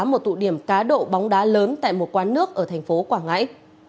một tụ điểm cá độ bóng đá lớn tại một quán nước ở thành phố quảng ngãi